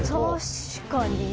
確かに。